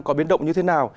có biến động như thế nào